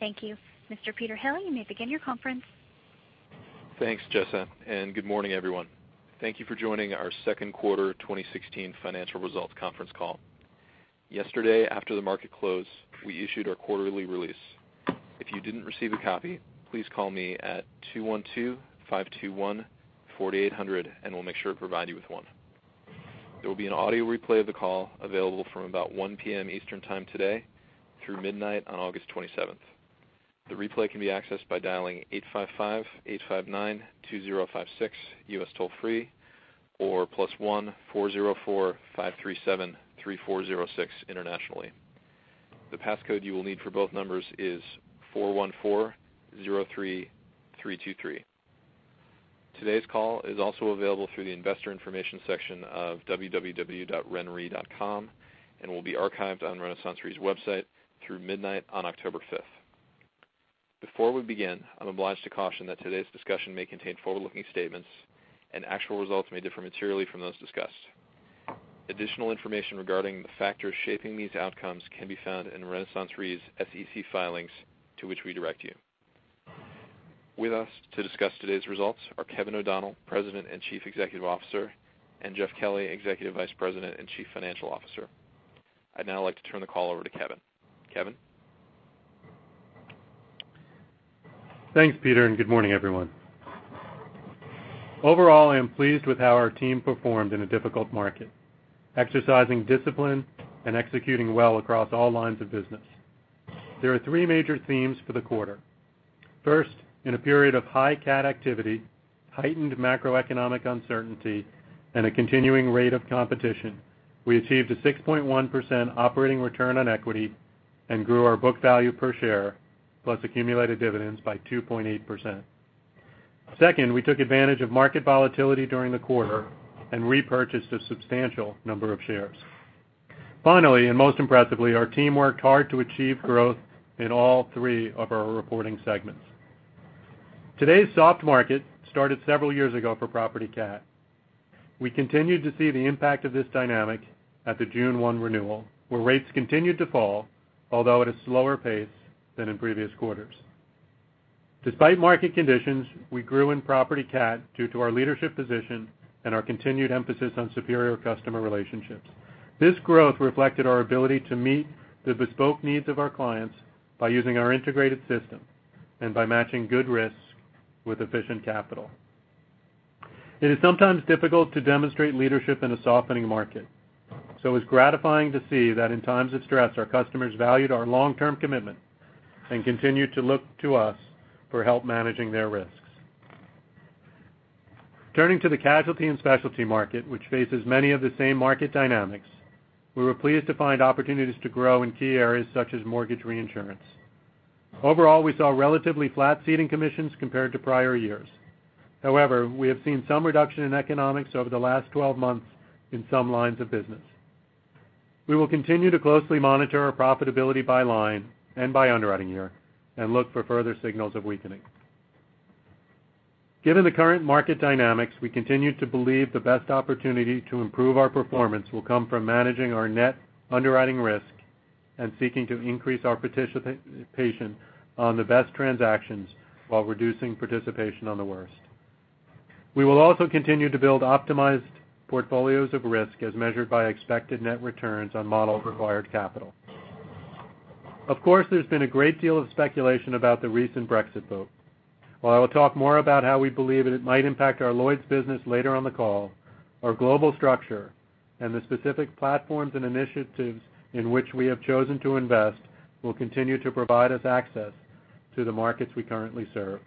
Thank you. Mr. Peter Hill, you may begin your conference. Thanks, Jessa, and good morning, everyone. Thank you for joining our second quarter 2016 financial results conference call. Yesterday, after the market closed, we issued our quarterly release. If you didn't receive a copy, please call me at 212-521-4800, and we'll make sure to provide you with one. There will be an audio replay of the call available from about 1:00 P.M. Eastern Time today through midnight on August 27. The replay can be accessed by dialing 855-859-2056, U.S. toll-free, or +1 404-537-3406 internationally. The passcode you will need for both numbers is 41403323. Today's call is also available through the investor information section of www.renre.com and will be archived on RenaissanceRe's website through midnight on October 5. Before we begin, I'm obliged to caution that today's discussion may contain forward-looking statements, and actual results may differ materially from those discussed. Additional information regarding the factors shaping these outcomes can be found in RenaissanceRe's SEC filings to which we direct you. With us to discuss today's results are Kevin O'Donnell, President and Chief Executive Officer, and Jeff Kelly, Executive Vice President and Chief Financial Officer. I'd now like to turn the call over to Kevin. Kevin? Thanks, Peter, and good morning, everyone. Overall, I am pleased with how our team performed in a difficult market, exercising discipline and executing well across all lines of business. There are three major themes for the quarter. First, in a period of high CAT activity, heightened macroeconomic uncertainty, and a continuing rate of competition, we achieved a 6.1% operating return on equity and grew our book value per share, plus accumulated dividends, by 2.8%. Second, we took advantage of market volatility during the quarter and repurchased a substantial number of shares. Finally, our team worked hard to achieve growth in all three of our reporting segments. Today's soft market started several years ago for property CAT. We continued to see the impact of this dynamic at the June 1 renewal, where rates continued to fall, although at a slower pace than in previous quarters. Despite market conditions, we grew in property CAT due to our leadership position and our continued emphasis on superior customer relationships. This growth reflected our ability to meet the bespoke needs of our clients by using our integrated system and by matching good risks with efficient capital. It is sometimes difficult to demonstrate leadership in a softening market, so it was gratifying to see that in times of stress our customers valued our long-term commitment and continued to look to us for help managing their risks. Turning to the casualty and specialty market, which faces many of the same market dynamics, we were pleased to find opportunities to grow in key areas such as mortgage reinsurance. Overall, we saw relatively flat ceding commissions compared to prior years. However, we have seen some reduction in economics over the last 12 months in some lines of business. We will continue to closely monitor our profitability by line and by underwriting year and look for further signals of weakening. Given the current market dynamics, we continue to believe the best opportunity to improve our performance will come from managing our net underwriting risk and seeking to increase our participation on the best transactions while reducing participation on the worst. We will also continue to build optimized portfolios of risk as measured by expected net returns on model-required capital. Of course, there's been a great deal of speculation about the recent Brexit vote. While I will talk more about how we believe it might impact our Lloyd's business later on the call, our global structure and the specific platforms and initiatives in which we have chosen to invest will continue to provide us access to the markets we currently serve.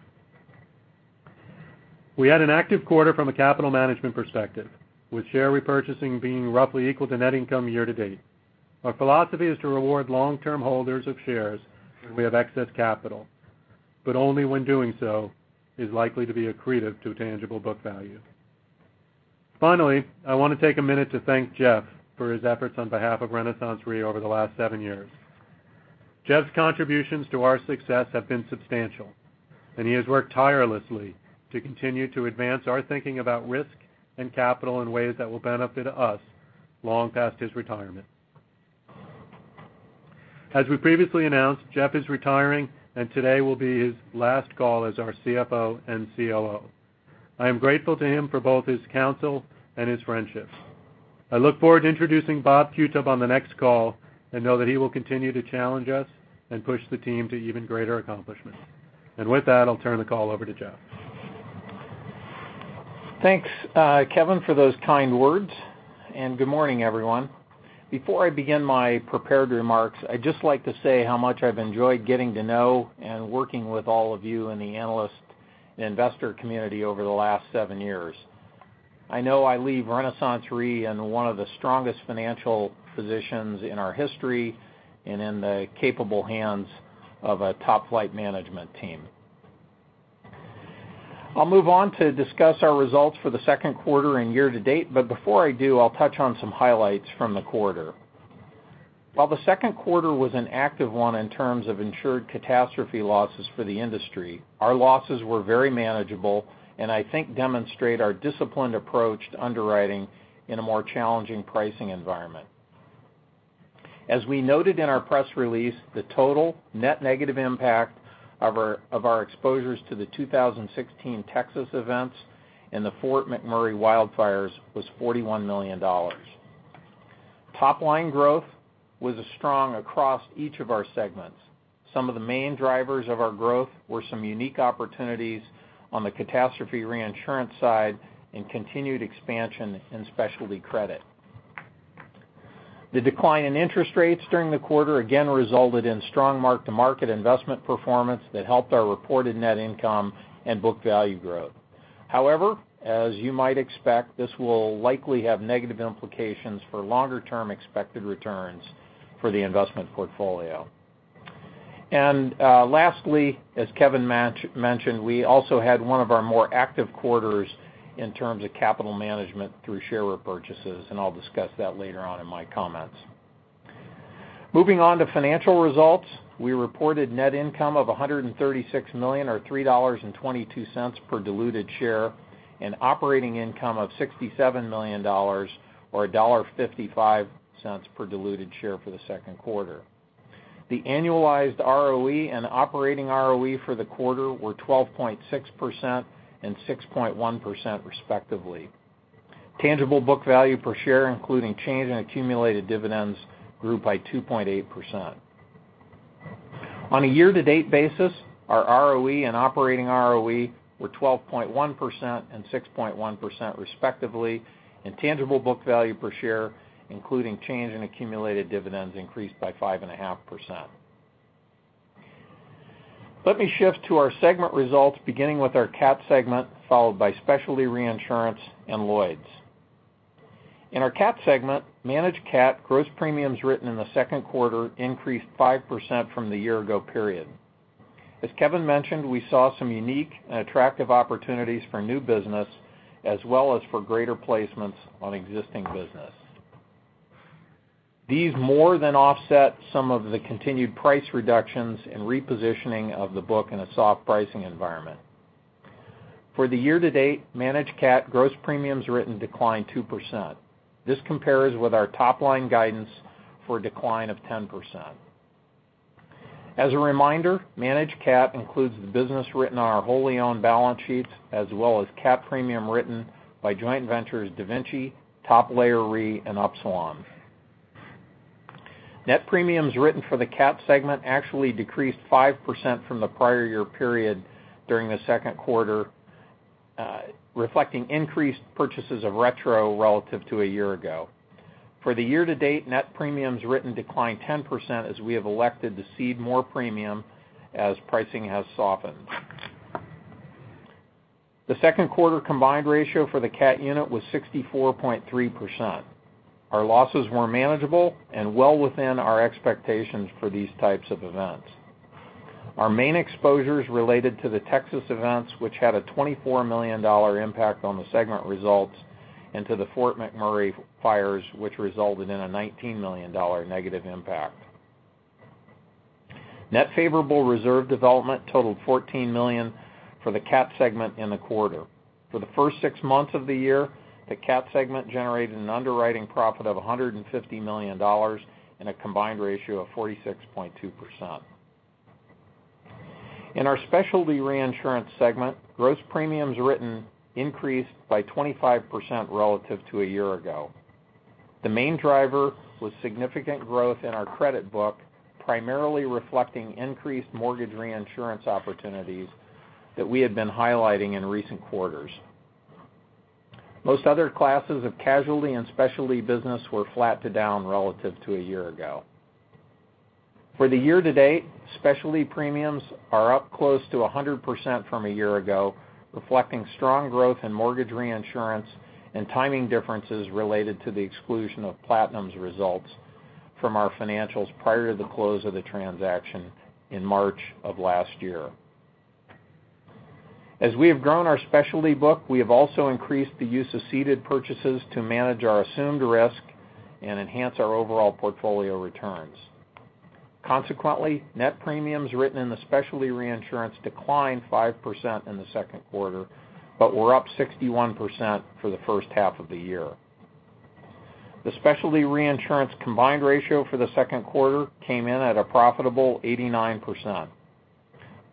We had an active quarter from a capital management perspective, with share repurchasing being roughly equal to net income year to date. Our philosophy is to reward long-term holders of shares when we have excess capital, but only when doing so is likely to be accretive to tangible book value. Finally, I want to take a minute to thank Jeff for his efforts on behalf of RenaissanceRe over the last seven years. Jeff's contributions to our success have been substantial, and he has worked tirelessly to continue to advance our thinking about risk and capital in ways that will benefit us long past his retirement. As we previously announced, Jeff is retiring, and today will be his last call as our CFO and COO. I am grateful to him for both his counsel and his friendship. I look forward to introducing Robert Qutub on the next call and know that he will continue to challenge us and push the team to even greater accomplishment. With that, I'll turn the call over to Jeff. Thanks, Kevin, for those kind words, good morning, everyone. Before I begin my prepared remarks, I'd just like to say how much I've enjoyed getting to know and working with all of you in the analyst and investor community over the last seven years. I know I leave RenaissanceRe in one of the strongest financial positions in our history and in the capable hands of a top-flight management team. I'll move on to discuss our results for the second quarter and year to date. Before I do, I'll touch on some highlights from the quarter. While the second quarter was an active one in terms of insured catastrophe losses for the industry, our losses were very manageable and I think demonstrate our disciplined approach to underwriting in a more challenging pricing environment. As we noted in our press release, the total net negative impact of our exposures to the 2016 Texas events and the Fort McMurray wildfires was $41 million. Top-line growth was strong across each of our segments. Some of the main drivers of our growth were some unique opportunities on the catastrophe reinsurance side and continued expansion in specialty credit. The decline in interest rates during the quarter again resulted in strong mark-to-market investment performance that helped our reported net income and book value growth. However, as you might expect, this will likely have negative implications for longer-term expected returns for the investment portfolio. Lastly, as Kevin mentioned, we also had one of our more active quarters in terms of capital management through share repurchases, and I'll discuss that later on in my comments. Moving on to financial results, we reported net income of $136 million or $3.22 per diluted share and operating income of $67 million or $1.55 per diluted share for the second quarter. The annualized ROE and operating ROE for the quarter were 12.6% and 6.1% respectively. Tangible book value per share, including change in accumulated dividends, grew by 2.8%. On a year-to-date basis, our ROE and operating ROE were 12.1% and 6.1% respectively, and tangible book value per share, including change in accumulated dividends, increased by 5.5%. Let me shift to our segment results, beginning with our CAT segment followed by specialty reinsurance and Lloyd's. In our CAT segment, managed CAT gross premiums written in the second quarter increased 5% from the year-ago period. As Kevin mentioned, we saw some unique and attractive opportunities for new business as well as for greater placements on existing business. These more than offset some of the continued price reductions and repositioning of the book in a soft pricing environment. For the year-to-date, managed CAT gross premiums written declined 2%. This compares with our top-line guidance for a decline of 10%. As a reminder, managed CAT includes the business written on our wholly-owned balance sheets as well as CAT premium written by joint ventures DaVinci, Top Layer Re, and Upsilon. Net premiums written for the CAT segment actually decreased 5% from the prior year period during the second quarter, reflecting increased purchases of retro relative to a year ago. For the year-to-date, net premiums written declined 10% as we have elected to cede more premium as pricing has softened. The second quarter combined ratio for the CAT unit was 64.3%. Our losses were manageable and well within our expectations for these types of events. Our main exposures related to the Texas events, which had a $24 million impact on the segment results, and to the Fort McMurray fires, which resulted in a $19 million negative impact. Net favorable reserve development totaled $14 million for the CAT segment in the quarter. For the first six months of the year, the CAT segment generated an underwriting profit of $150 million and a combined ratio of 46.2%. In our specialty reinsurance segment, gross premiums written increased by 25% relative to a year ago. The main driver was significant growth in our credit book, primarily reflecting increased mortgage reinsurance opportunities that we had been highlighting in recent quarters. Most other classes of casualty and specialty business were flat to down relative to a year ago. For the year to date, specialty premiums are up close to 100% from a year ago, reflecting strong growth in mortgage reinsurance and timing differences related to the exclusion of Platinum's results from our financials prior to the close of the transaction in March of last year. As we have grown our specialty book, we have also increased the use of ceded purchases to manage our assumed risk and enhance our overall portfolio returns. Consequently, net premiums written in the specialty reinsurance declined 5% in the second quarter, but were up 61% for the first half of the year. The specialty reinsurance combined ratio for the second quarter came in at a profitable 89%.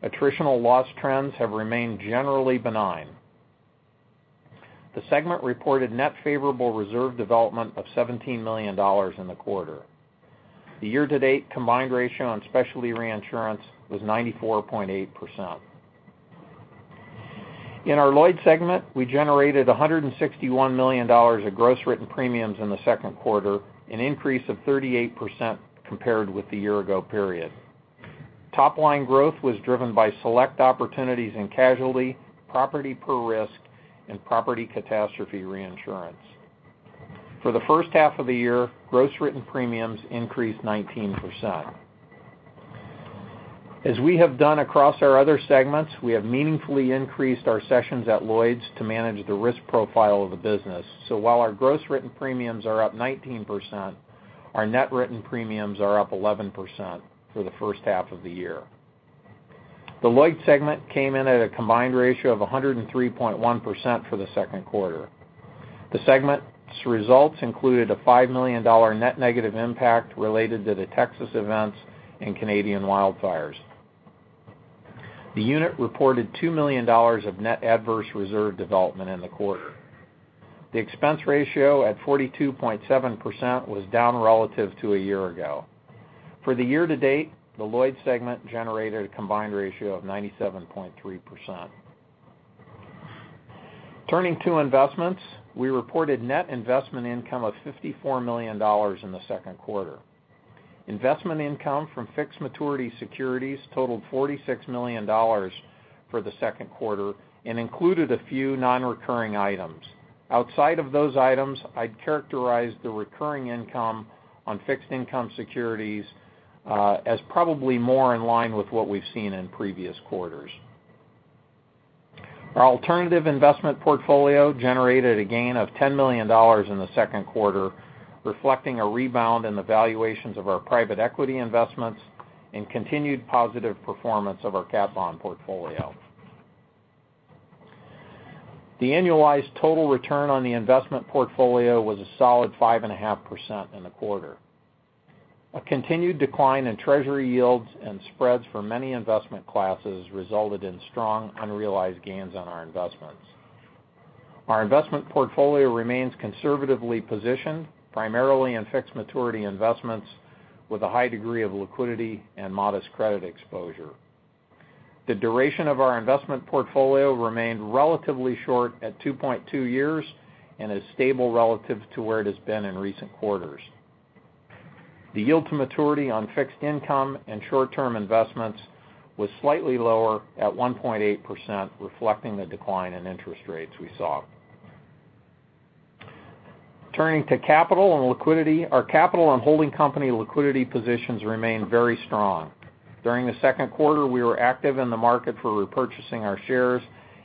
Attritional loss trends have remained generally benign. The segment reported net favorable reserve development of $17 million in the quarter. The year-to-date combined ratio on specialty reinsurance was 94.8%. In our Lloyd's segment, we generated $161 million of gross written premiums in the second quarter, an increase of 38% compared with the year-ago period. Top-line growth was driven by select opportunities in casualty, property per risk, and property catastrophe reinsurance. For the first half of the year, gross written premiums increased 19%. As we have done across our other segments, we have meaningfully increased our cessions at Lloyd's to manage the risk profile of the business. While our gross written premiums are up 19%, our net written premiums are up 11% for the first half of the year. The Lloyd's segment came in at a combined ratio of 103.1% for the second quarter. The segment's results included a $5 million net negative impact related to the Texas events and Canadian wildfires. The unit reported $2 million of net adverse reserve development in the quarter. The expense ratio at 42.7% was down relative to a year ago. For the year to date, the Lloyd's segment generated a combined ratio of 97.3%. Turning to investments, we reported net investment income of $54 million in the second quarter. Investment income from fixed maturity securities totaled $46 million for the second quarter and included a few non-recurring items. Outside of those items, I'd characterize the recurring income on fixed income securities as probably more in line with what we've seen in previous quarters. Our alternative investment portfolio generated a gain of $10 million in the second quarter, reflecting a rebound in the valuations of our private equity investments and continued positive performance of our cat bond portfolio. The annualized total return on the investment portfolio was a solid 5.5% in the quarter. A continued decline in treasury yields and spreads for many investment classes resulted in strong unrealized gains on our investments. Our investment portfolio remains conservatively positioned, primarily in fixed maturity investments with a high degree of liquidity and modest credit exposure. The duration of our investment portfolio remained relatively short at 2.2 years and is stable relative to where it has been in recent quarters. The yield to maturity on fixed income and short-term investments was slightly lower at 1.8%, reflecting the decline in interest rates we saw. Turning to capital and liquidity, our capital and holding company liquidity positions remain very strong. During the second quarter, we were active in the market for repurchasing our shares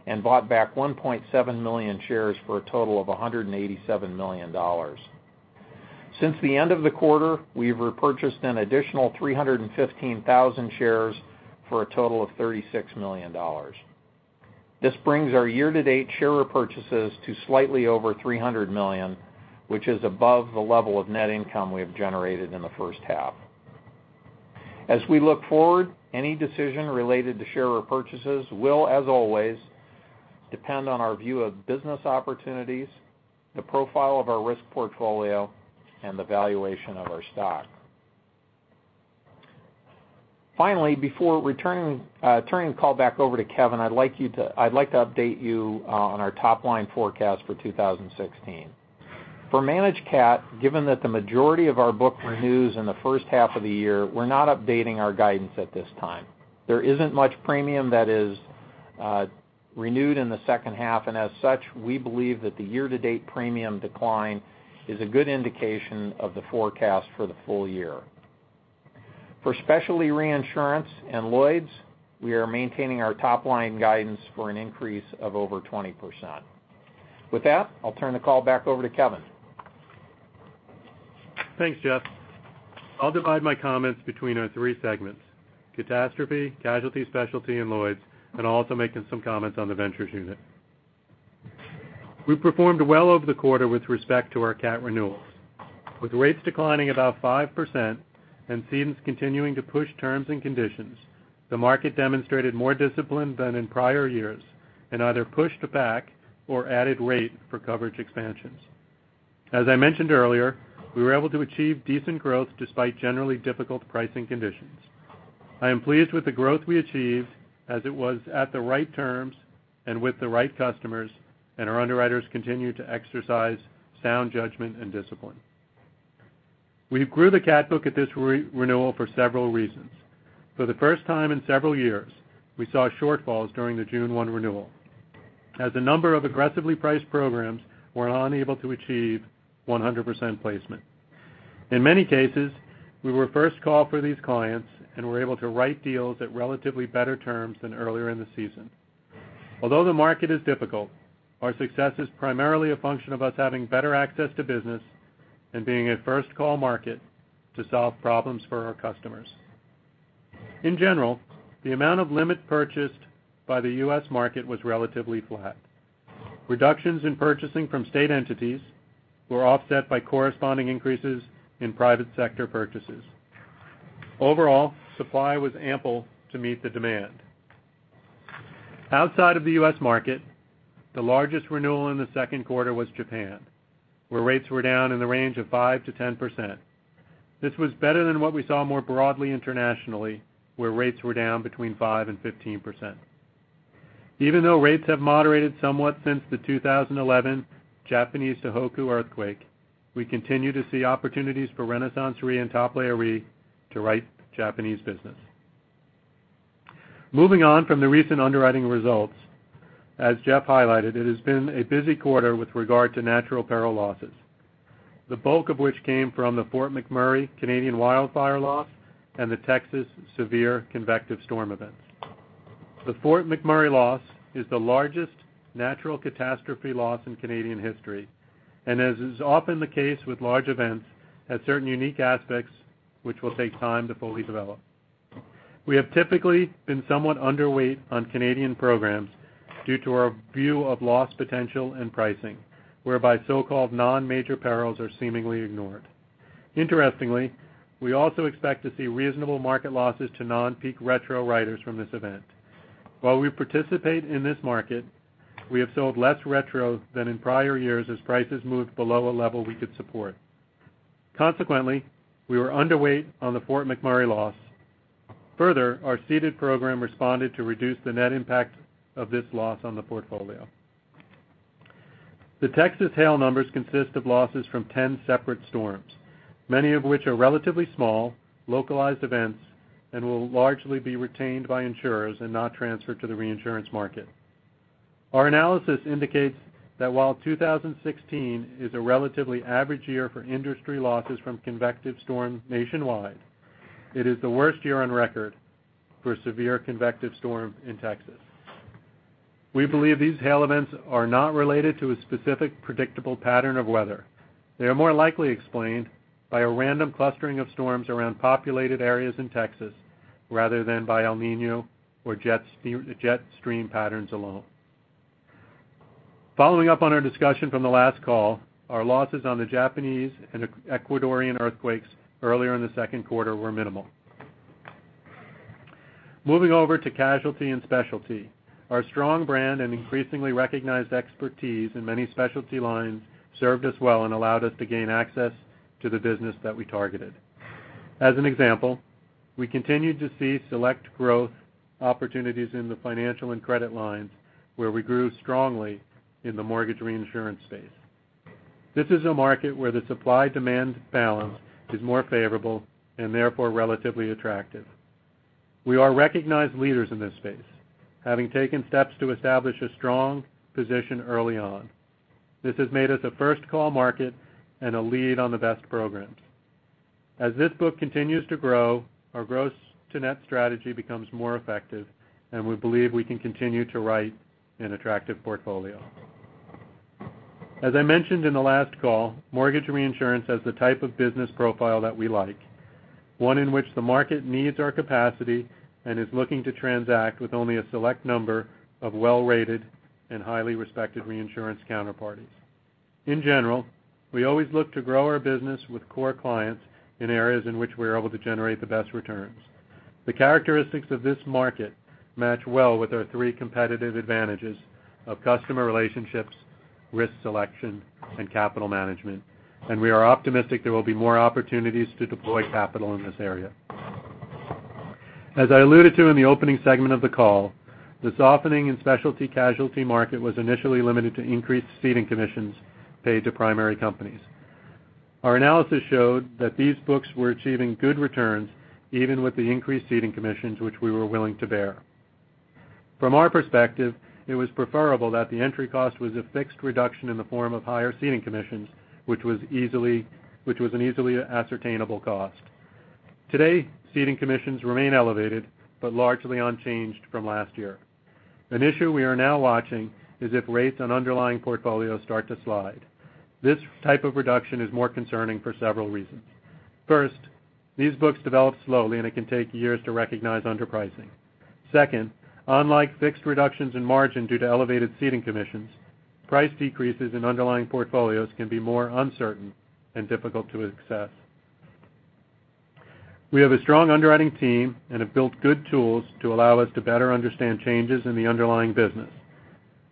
and bought back 1.7 million shares for a total of $187 million. Since the end of the quarter, we have repurchased an additional 315,000 shares for a total of $36 million. This brings our year-to-date share repurchases to slightly over $300 million, which is above the level of net income we have generated in the first half. As we look forward, any decision related to share repurchases will, as always, depend on our view of business opportunities, the profile of our risk portfolio, and the valuation of our stock. Before turning the call back over to Kevin, I'd like to update you on our top-line forecast for 2016. For managed CAT, given that the majority of our book renews in the first half of the year, we're not updating our guidance at this time. There isn't much premium that is renewed in the second half, and as such, we believe that the year-to-date premium decline is a good indication of the forecast for the full year. For specialty reinsurance and Lloyd's, we are maintaining our top-line guidance for an increase of over 20%. With that, I'll turn the call back over to Kevin. Thanks, Jeff. I'll divide my comments between our three segments: catastrophe, casualty specialty, and Lloyd's, and I'll also make some comments on the ventures unit. We performed well over the quarter with respect to our CAT renewals. With rates declining about 5% and cedants continuing to push terms and conditions, the market demonstrated more discipline than in prior years and either pushed back or added rate for coverage expansions. As I mentioned earlier, we were able to achieve decent growth despite generally difficult pricing conditions. I am pleased with the growth we achieved as it was at the right terms and with the right customers, and our underwriters continue to exercise sound judgment and discipline. We grew the CAT book at this renewal for several reasons. For the first time in several years, we saw shortfalls during the June 1 renewal, as a number of aggressively priced programs were unable to achieve 100% placement. In many cases, we were first called for these clients and were able to write deals at relatively better terms than earlier in the season. Although the market is difficult, our success is primarily a function of us having better access to business and being a first-call market to solve problems for our customers. In general, the amount of limit purchased by the U.S. market was relatively flat. Reductions in purchasing from state entities were offset by corresponding increases in private sector purchases. Supply was ample to meet the demand. Outside of the U.S. market, the largest renewal in the second quarter was Japan, where rates were down in the range of 5%-10%. This was better than what we saw more broadly internationally, where rates were down between 5% and 15%. Even though rates have moderated somewhat since the 2011 Japanese Tohoku earthquake, we continue to see opportunities for RenaissanceRe and Top Layer Re to write Japanese business. Moving on from the recent underwriting results, as Jeff highlighted, it has been a busy quarter with regard to natural peril losses, the bulk of which came from the Fort McMurray Canadian wildfire loss and the Texas severe convective storm events. The Fort McMurray loss is the largest natural catastrophe loss in Canadian history, and as is often the case with large events, has certain unique aspects which will take time to fully develop. We have typically been somewhat underweight on Canadian programs due to our view of loss potential and pricing, whereby so-called non-major perils are seemingly ignored. Interestingly, we also expect to see reasonable market losses to non-peak retro writers from this event. While we participate in this market, we have sold less retro than in prior years as prices moved below a level we could support. Consequently, we were underweight on the Fort McMurray loss. Further, our ceded program responded to reduce the net impact of this loss on the portfolio. The Texas hail numbers consist of losses from 10 separate storms, many of which are relatively small, localized events, and will largely be retained by insurers and not transferred to the reinsurance market. Our analysis indicates that while 2016 is a relatively average year for industry losses from convective storm nationwide, it is the worst year on record for severe convective storm in Texas. We believe these hail events are not related to a specific predictable pattern of weather. They are more likely explained by a random clustering of storms around populated areas in Texas rather than by El Niño or jet stream patterns alone. Following up on our discussion from the last call, our losses on the Japanese and Ecuadorian earthquakes earlier in the second quarter were minimal. Moving over to casualty and specialty, our strong brand and increasingly recognized expertise in many specialty lines served us well and allowed us to gain access to the business that we targeted. As an example, we continue to see select growth opportunities in the financial and credit lines, where we grew strongly in the mortgage reinsurance space. This is a market where the supply-demand balance is more favorable and therefore relatively attractive. We are recognized leaders in this space, having taken steps to establish a strong position early on. This has made us a first-call market and a lead on the best programs. As this book continues to grow, our gross-to-net strategy becomes more effective, and we believe we can continue to write an attractive portfolio. As I mentioned in the last call, mortgage reinsurance has the type of business profile that we like, one in which the market needs our capacity and is looking to transact with only a select number of well-rated and highly respected reinsurance counterparties. In general, we always look to grow our business with core clients in areas in which we are able to generate the best returns. The characteristics of this market match well with our three competitive advantages of customer relationships, risk selection, and capital management, we are optimistic there will be more opportunities to deploy capital in this area. As I alluded to in the opening segment of the call, this softening in specialty casualty market was initially limited to increased ceding commissions paid to primary companies. Our analysis showed that these books were achieving good returns even with the increased ceding commissions which we were willing to bear. From our perspective, it was preferable that the entry cost was a fixed reduction in the form of higher ceding commissions, which was an easily ascertainable cost. Today, ceding commissions remain elevated but largely unchanged from last year. An issue we are now watching is if rates on underlying portfolios start to slide. This type of reduction is more concerning for several reasons. First, these books develop slowly, and it can take years to recognize underpricing. Second, unlike fixed reductions in margin due to elevated ceding commissions, price decreases in underlying portfolios can be more uncertain and difficult to assess. We have a strong underwriting team and have built good tools to allow us to better understand changes in the underlying business.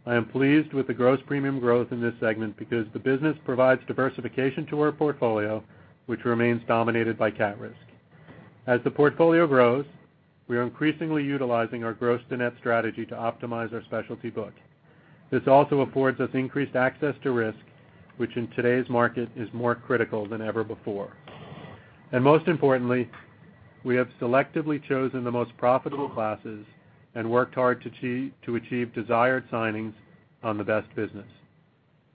I am pleased with the gross premium growth in this segment because the business provides diversification to our portfolio, which remains dominated by CAT risk. As the portfolio grows, we are increasingly utilizing our gross-to-net strategy to optimize our specialty book. This also affords us increased access to risk, which in today's market is more critical than ever before. Most importantly, we have selectively chosen the most profitable classes and worked hard to achieve desired signings on the best business.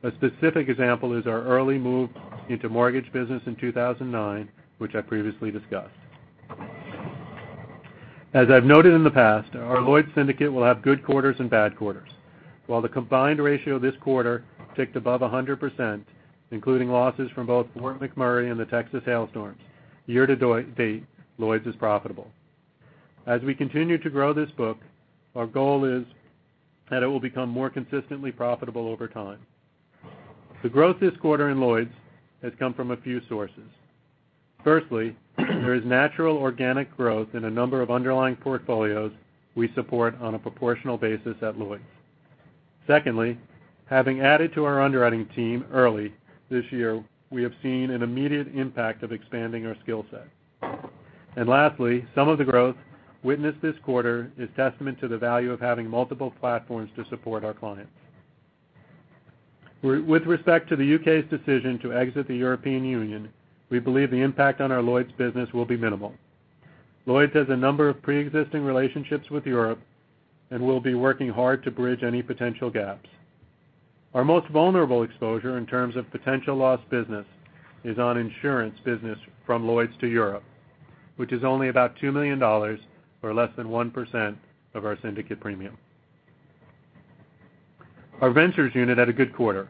A specific example is our early move into mortgage business in 2009, which I previously discussed. As I've noted in the past, our Lloyd's syndicate will have good quarters and bad quarters. While the combined ratio this quarter ticked above 100%, including losses from both Fort McMurray and the Texas hail storms, year-to-date, Lloyd's is profitable. As we continue to grow this book, our goal is that it will become more consistently profitable over time. The growth this quarter in Lloyd's has come from a few sources. Firstly, there is natural, organic growth in a number of underlying portfolios we support on a proportional basis at Lloyd's. Secondly, having added to our underwriting team early this year, we have seen an immediate impact of expanding our skill set. Lastly, some of the growth witnessed this quarter is testament to the value of having multiple platforms to support our clients. With respect to the U.K.'s decision to exit the European Union, we believe the impact on our Lloyd's business will be minimal. Lloyd's has a number of pre-existing relationships with Europe and will be working hard to bridge any potential gaps. Our most vulnerable exposure in terms of potential lost business is on insurance business from Lloyd's to Europe, which is only about $2 million or less than 1% of our syndicate premium. Our ventures unit had a good quarter,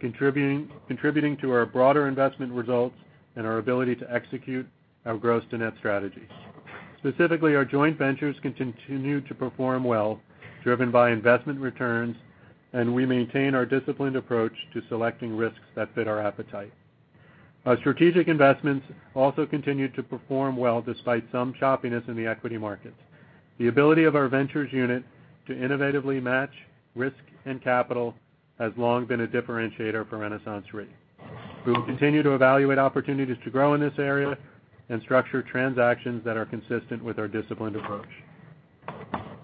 contributing to our broader investment results and our ability to execute our gross-to-net strategies. Specifically, our joint ventures continue to perform well, driven by investment returns, and we maintain our disciplined approach to selecting risks that fit our appetite. Our strategic investments also continue to perform well despite some choppiness in the equity market. The ability of our ventures unit to innovatively match risk and capital has long been a differentiator for RenaissanceRe. We will continue to evaluate opportunities to grow in this area and structure transactions that are consistent with our disciplined approach.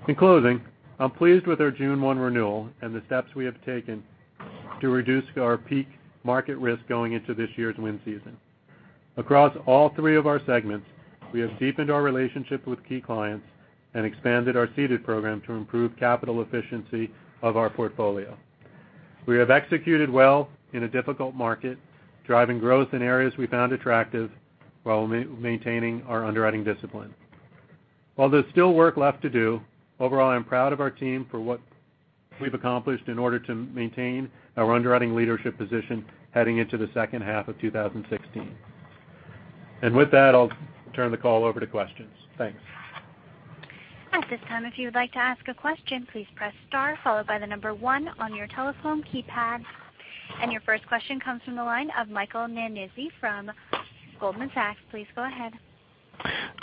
In closing, I'm pleased with our June 1 renewal and the steps we have taken to reduce our peak market risk going into this year's wind season. Across all three of our segments, we have deepened our relationship with key clients and expanded our ceded program to improve capital efficiency of our portfolio. We have executed well in a difficult market, driving growth in areas we found attractive while maintaining our underwriting discipline. While there's still work left to do, overall I'm proud of our team for what we've accomplished in order to maintain our underwriting leadership position heading into the second half of 2016. With that, I'll turn the call over to questions. Thanks. At this time, if you would like to ask a question, please press star followed by the number 1 on your telephone keypad. Your first question comes from the line of Michael Nannizzi from Goldman Sachs. Please go ahead.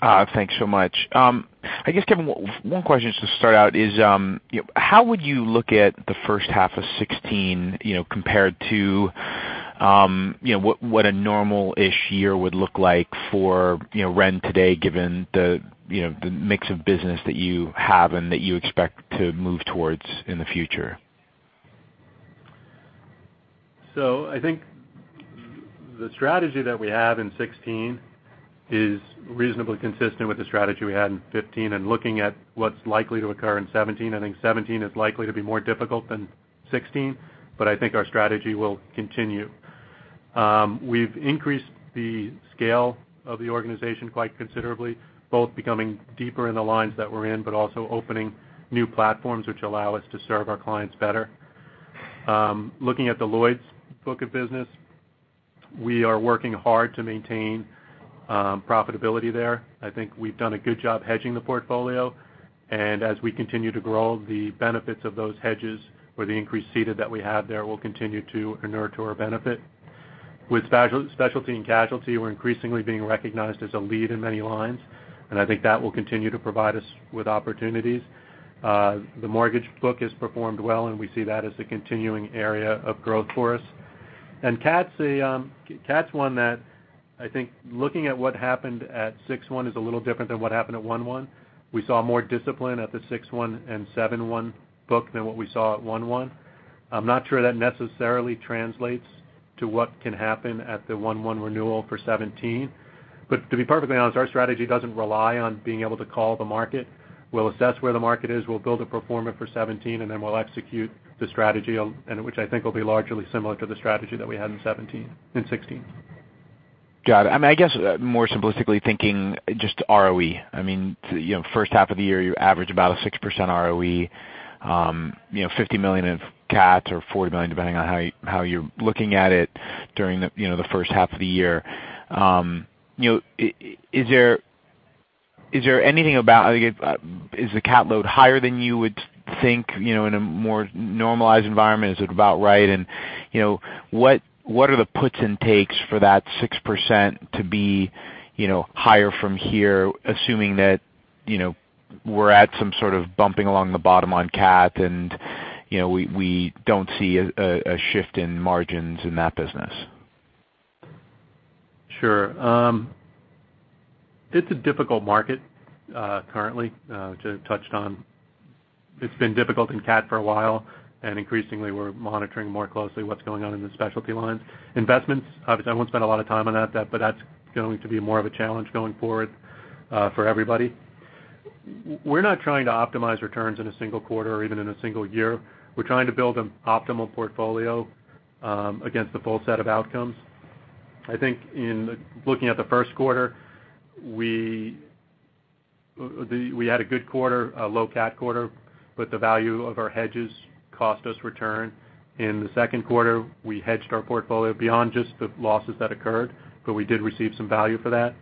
Thanks so much. I guess, Kevin, one question just to start out is, how would you look at the first half of 2016 compared to what a normal-ish year would look like for RenRe today given the mix of business that you have and that you expect to move towards in the future? I think the strategy that we have in 2016 is reasonably consistent with the strategy we had in 2015. Looking at what's likely to occur in 2017, I think 2017 is likely to be more difficult than 2016, but I think our strategy will continue. We've increased the scale of the organization quite considerably, both becoming deeper in the lines that we're in but also opening new platforms which allow us to serve our clients better. Looking at the Lloyd's book of business, we are working hard to maintain profitability there. I think we've done a good job hedging the portfolio. As we continue to grow, the benefits of those hedges or the increased ceded that we have there will continue to nurture our benefit. With specialty and casualty, we're increasingly being recognized as a lead in many lines. I think that will continue to provide us with opportunities. The mortgage book has performed well. We see that as a continuing area of growth for us. CAT's one that I think looking at what happened at 06/01 is a little different than what happened at 01/01. We saw more discipline at the 06/01 and 07/01 book than what we saw at 01/01. I'm not sure that necessarily translates to what can happen at the 01/01 renewal for 2017. To be perfectly honest, our strategy doesn't rely on being able to call the market. We'll assess where the market is. We'll build a performance for 2017, then we'll execute the strategy, which I think will be largely similar to the strategy that we had in 2016. Got it. I mean, more simplistically thinking, just ROE. I mean, first half of the year, you average about a 6% ROE, $50 million in CAT or $40 million depending on how you're looking at it during the first half of the year. Is there anything about is the CAT load higher than you would think in a more normalized environment? Is it about right? What are the puts and takes for that 6% to be higher from here, assuming that we're at some sort of bumping along the bottom on CAT and we don't see a shift in margins in that business? Sure. It's a difficult market currently, which I touched on. It's been difficult in CAT for a while. Increasingly, we're monitoring more closely what's going on in the specialty lines. Investments, obviously, I won't spend a lot of time on that's going to be more of a challenge going forward for everybody. We're not trying to optimize returns in a single quarter or even in a single year. We're trying to build an optimal portfolio against the full set of outcomes. I think in looking at the first quarter, we had a good quarter, a low CAT quarter, the value of our hedges cost us return. In the second quarter, we hedged our portfolio beyond just the losses that occurred, we did receive some value for that.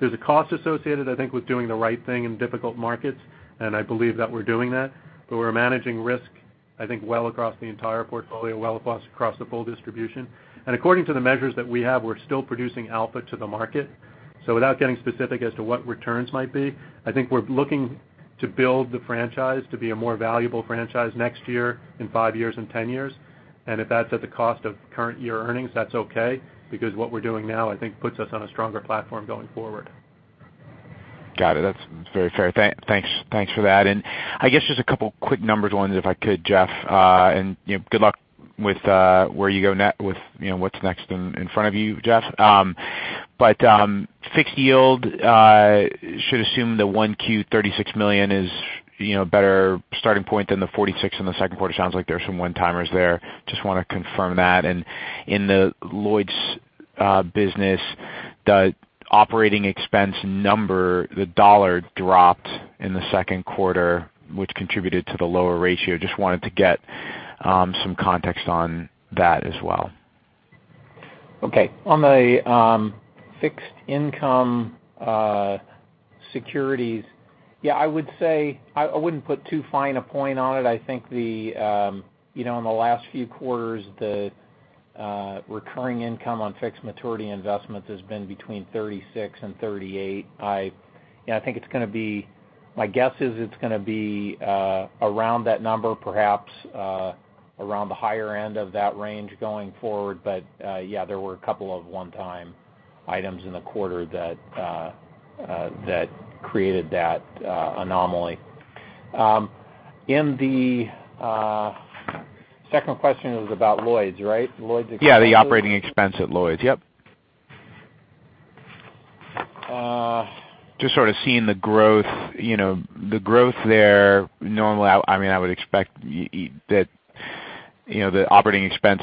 There's a cost associated, I think, with doing the right thing in difficult markets, and I believe that we're doing that. We're managing risk, I think, well across the entire portfolio, well across the full distribution. According to the measures that we have, we're still producing alpha to the market. Without getting specific as to what returns might be, I think we're looking to build the franchise to be a more valuable franchise next year, in five years, in 10 years. If that's at the cost of current year earnings, that's okay because what we're doing now, I think, puts us on a stronger platform going forward. Got it. That's very fair. Thanks for that. I guess just a couple quick numbers ones, if I could, Jeff. Good luck with where you go net with what's next in front of you, Jeff. Fixed yield should assume the 1Q $36 million is a better starting point than the $46 million in the second quarter. Sounds like there are some one-timers there. Just want to confirm that. In the Lloyd's business, the operating expense number, the dollar dropped in the second quarter, which contributed to the lower ratio. Just wanted to get some context on that as well. Okay. On the fixed income securities, I would say I wouldn't put too fine a point on it. I think in the last few quarters, the recurring income on fixed maturity investments has been between $36 million and $38 million. I think it's going to be my guess is it's going to be around that number, perhaps around the higher end of that range going forward. There were a couple of one-time items in the quarter that created that anomaly. The second question is about Lloyd's, right? Lloyd's expense. The operating expense at Lloyd's. Just sort of seeing the growth. The growth there, normally, I would expect that the operating expense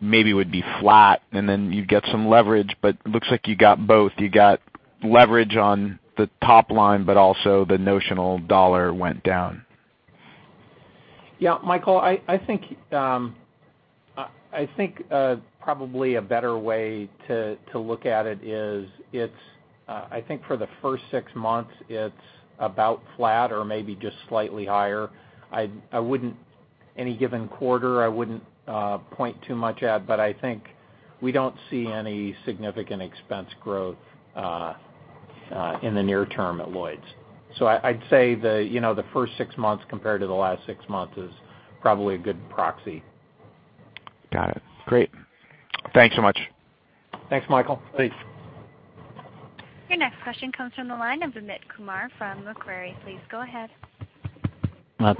maybe would be flat, and then you'd get some leverage. It looks like you got both. You got leverage on the top line, also the notional dollar went down. Michael, I think probably a better way to look at it is, I think for the first six months, it's about flat or maybe just slightly higher. Any given quarter, I wouldn't point too much at. I think we don't see any significant expense growth in the near term at Lloyd's. I'd say the first six months compared to the last six months is probably a good proxy. Got it. Great. Thanks so much. Thanks, Michael. Please. Your next question comes from the line of Amit Kumar from Macquarie. Please go ahead. Thanks.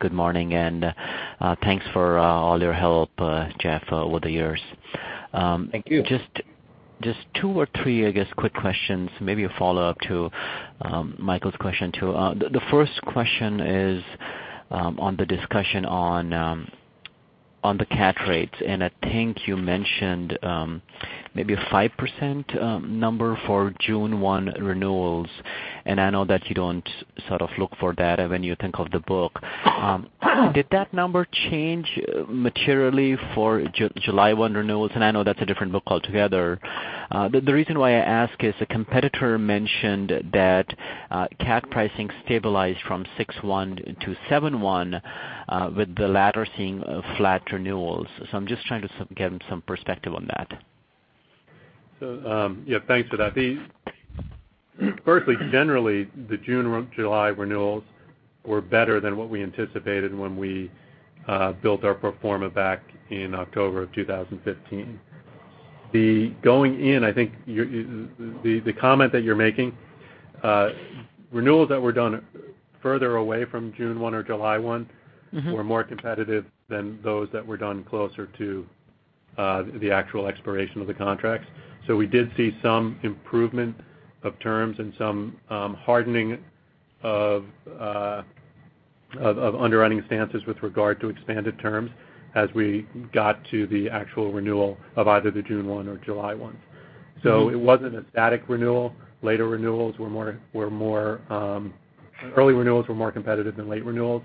Good morning. Thanks for all your help, Jeff, with the years. Thank you. Just two or three, I guess, quick questions, maybe a follow-up to Michael's question too. The first question is on the discussion on the CAT rates. I think you mentioned maybe a 5% for June 1 renewals. I know that you don't sort of look for data when you think of the book. Did that number change materially for July 1 renewals? I know that's a different book altogether. The reason why I ask is a competitor mentioned that CAT pricing stabilized from June 1 to July 1, with the latter seeing flat renewals. I'm just trying to get some perspective on that. Yeah, thanks for that. Firstly, generally, the June and July renewals were better than what we anticipated when we built our pro forma back in October 2015. Going in, I think the comment that you're making, renewals that were done further away from June 1 or July 1 were more competitive than those that were done closer to the actual expiration of the contracts. We did see some improvement of terms and some hardening of underwriting stances with regard to expanded terms as we got to the actual renewal of either the June 1 or July 1. It wasn't a static renewal. Early renewals were more competitive than late renewals.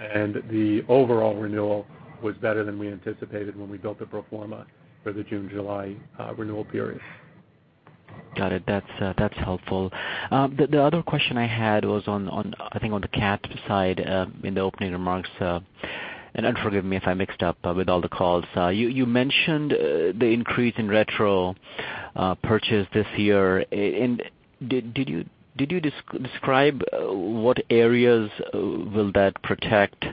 The overall renewal was better than we anticipated when we built the pro forma for the June-July renewal period. Got it. That's helpful. The other question I had was, I think, on the CAT side in the opening remarks. Forgive me if I mixed up with all the calls. You mentioned the increase in retro purchase this year. Did you describe what areas will that protect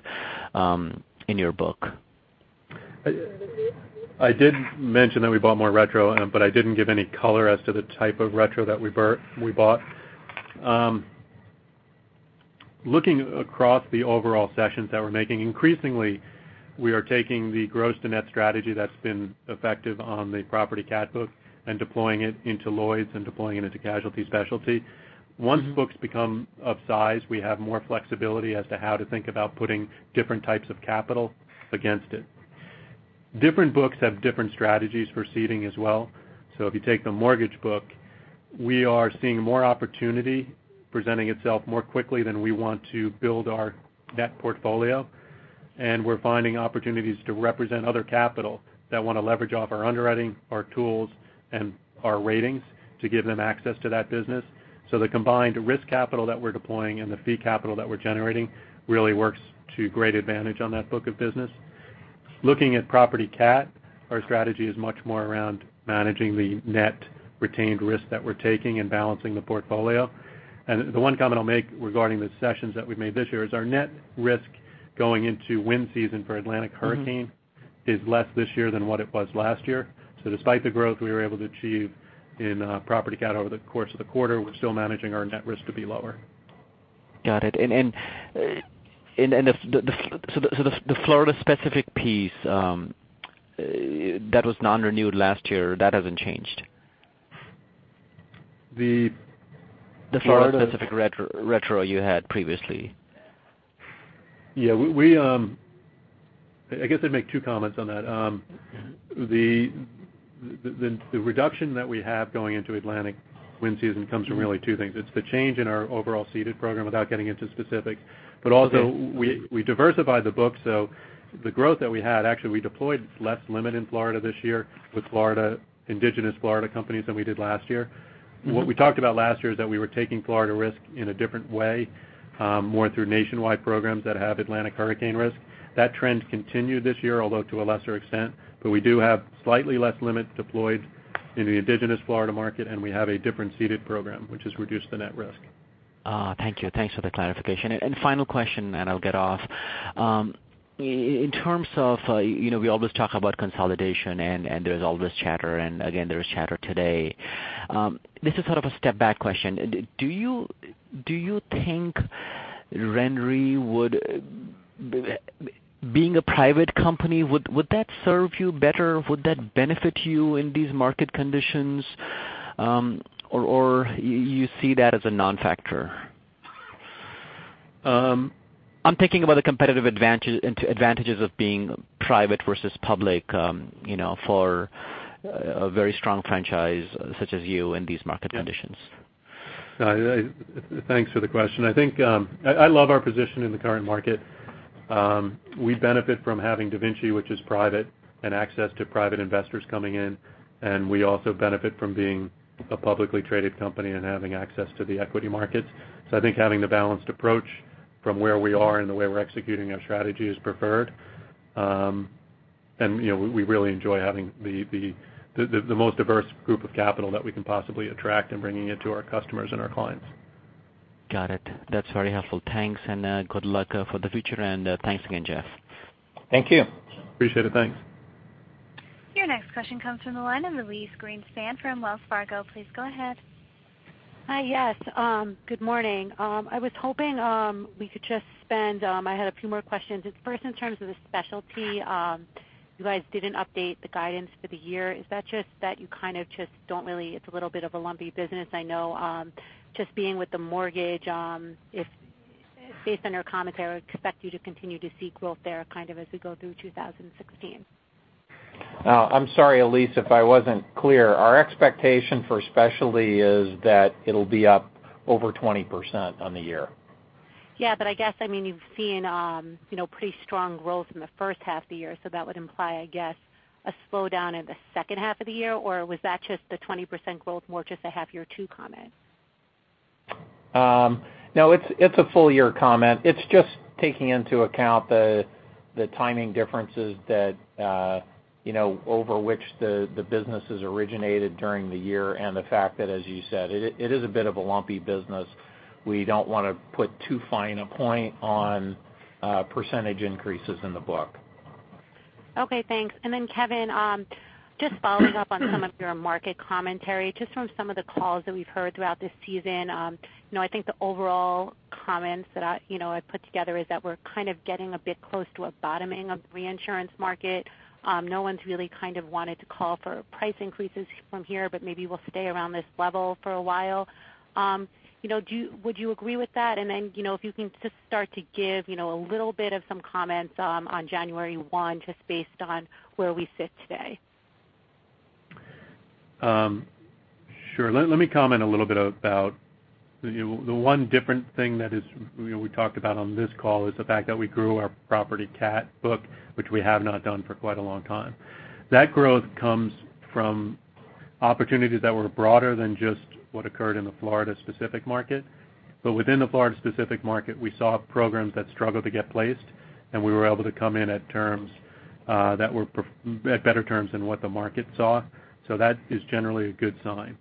in your book? I did mention that we bought more retro, but I didn't give any color as to the type of retro that we bought. Looking across the overall cessions that we're making, increasingly, we are taking the gross-to-net strategy that's been effective on the property CAT book and deploying it into Lloyd's and deploying it into casualty specialty. Once books become of size, we have more flexibility as to how to think about putting different types of capital against it. Different books have different strategies for ceding as well. If you take the mortgage book, we are seeing more opportunity presenting itself more quickly than we want to build our net portfolio. We're finding opportunities to represent other capital that want to leverage off our underwriting, our tools, and our ratings to give them access to that business. The combined risk capital that we're deploying and the fee capital that we're generating really works to great advantage on that book of business. Looking at property CAT, our strategy is much more around managing the net retained risk that we're taking and balancing the portfolio. The one comment I'll make regarding the cessions that we've made this year is our net risk going into wind season for Atlantic Hurricane is less this year than what it was last year. Despite the growth we were able to achieve in property CAT over the course of the quarter, we're still managing our net risk to be lower. Got it. The Florida-specific piece, that was non-renewed last year. That hasn't changed. The Florida-specific retro you had previously. Yeah. I guess I'd make two comments on that. The reduction that we have going into Atlantic wind season comes from really two things. It's the change in our overall ceded program without getting into specifics. Also, we diversified the book. The growth that we had, actually, we deployed less limit in Florida this year with indigenous Florida companies than we did last year. What we talked about last year is that we were taking Florida risk in a different way, more through nationwide programs that have Atlantic Hurricane risk. That trend continued this year, although to a lesser extent. We do have slightly less limit deployed in the indigenous Florida market, and we have a different ceded program, which has reduced the net risk. Thank you. Thanks for the clarification. Final question, and I'll get off. In terms of we always talk about consolidation, and there's always chatter, and again, there is chatter today. This is sort of a step back question. Do you think RenRe would being a private company, would that serve you better? Would that benefit you in these market conditions, or you see that as a non-factor? I'm thinking about the competitive advantages of being private versus public for a very strong franchise such as you in these market conditions. Thanks for the question. I think I love our position in the current market. We benefit from having DaVinci, which is private, and access to private investors coming in. We also benefit from being a publicly traded company and having access to the equity markets. I think having the balanced approach from where we are and the way we're executing our strategy is preferred. We really enjoy having the most diverse group of capital that we can possibly attract and bringing it to our customers and our clients. Got it. That's very helpful. Thanks, good luck for the future. Thanks again, Jeff. Thank you. Appreciate it. Thanks. Your next question comes from the line. I'm Elyse Greenspan from Wells Fargo. Please go ahead. Hi, yes. Good morning. I was hoping we could just spend I had a few more questions. It's first in terms of the specialty. You guys didn't update the guidance for the year. Is that just that you kind of just don't really it's a little bit of a lumpy business, I know. Just being with the mortgage, based on your comments, I would expect you to continue to see growth there kind of as we go through 2016. I'm sorry, Elyse, if I wasn't clear. Our expectation for specialty is that it'll be up over 20% on the year. Yeah, but I guess, I mean, you've seen pretty strong growth in the first half of the year. That would imply, I guess, a slowdown in the second half of the year, or was that just the 20% growth, more just a half-year two comment? No, it's a full-year comment. It's just taking into account the timing differences over which the businesses originated during the year and the fact that, as you said, it is a bit of a lumpy business. We don't want to put too fine a point on percentage increases in the book. Okay, thanks. Kevin, just following up on some of your market commentary, just from some of the calls that we've heard throughout this season, I think the overall comments that I've put together is that we're kind of getting a bit close to a bottoming of the reinsurance market. No one's really kind of wanted to call for price increases from here. Maybe we'll stay around this level for a while. Would you agree with that? If you can just start to give a little bit of some comments on January 1, just based on where we sit today. Sure. Let me comment a little bit about the one different thing that we talked about on this call is the fact that we grew our property CAT book, which we have not done for quite a long time. That growth comes from opportunities that were broader than just what occurred in the Florida-specific market. Within the Florida-specific market, we saw programs that struggled to get placed, and we were able to come in at terms that were at better terms than what the market saw. That is generally a good sign.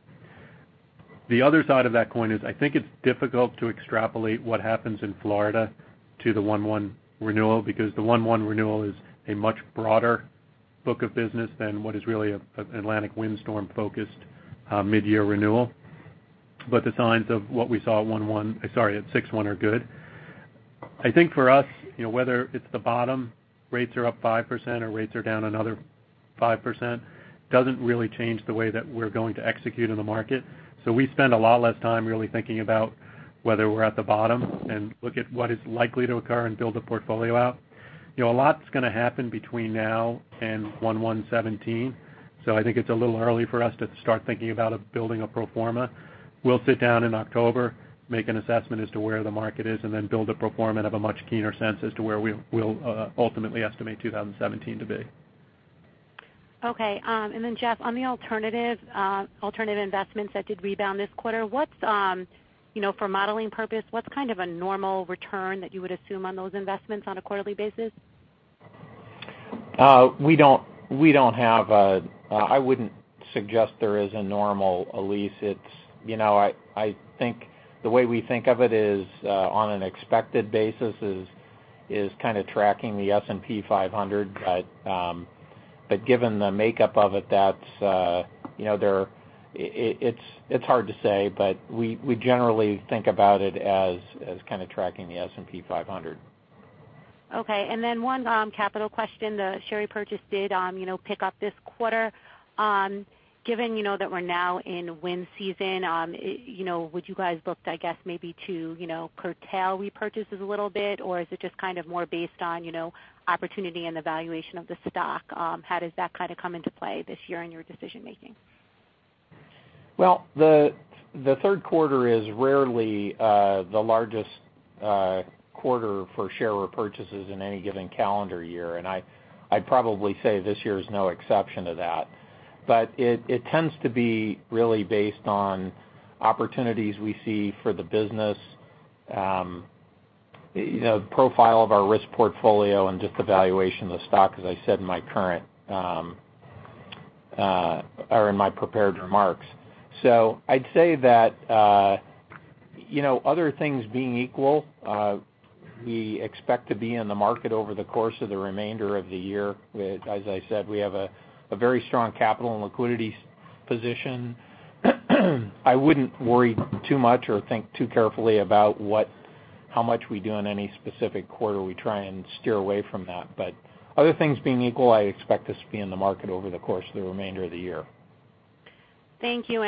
The other side of that coin is I think it's difficult to extrapolate what happens in Florida to the 1/1 renewal because the 1/1 renewal is a much broader book of business than what is really an Atlantic windstorm-focused mid-year renewal. The signs of what we saw at 1/1 sorry, at 6/1 are good. I think for us, whether it's the bottom, rates are up 5%, or rates are down another 5%, doesn't really change the way that we're going to execute in the market. We spend a lot less time really thinking about whether we're at the bottom and look at what is likely to occur and build a portfolio out. A lot's going to happen between now and 1/1/2017. I think it's a little early for us to start thinking about building a proforma. We'll sit down in October, make an assessment as to where the market is, and then build a proforma and have a much keener sense as to where we'll ultimately estimate 2017 to be. Okay. Jeff, on the alternative investments that did rebound this quarter, for modeling purposes, what's kind of a normal return that you would assume on those investments on a quarterly basis? We don't have I wouldn't suggest there is a normal, Elyse. I think the way we think of it is on an expected basis is kind of tracking the S&P 500. Given the makeup of it, that's it's hard to say, but we generally think about it as kind of tracking the S&P 500. Okay. One capital question, the share repurchase did pick up this quarter. Given that we're now in wind season, would you guys book, I guess, maybe to curtail repurchases a little bit, or is it just kind of more based on opportunity and the valuation of the stock? How does that kind of come into play this year in your decision-making? Well, the third quarter is rarely the largest quarter for share repurchases in any given calendar year. I'd probably say this year is no exception to that. It tends to be really based on opportunities we see for the business, the profile of our risk portfolio, and just the valuation of the stock, as I said, in my current or in my prepared remarks. I'd say that other things being equal, we expect to be in the market over the course of the remainder of the year. As I said, we have a very strong capital and liquidity position. I wouldn't worry too much or think too carefully about how much we do in any specific quarter. We try and steer away from that. Other things being equal, I expect us to be in the market over the course of the remainder of the year. Thank you.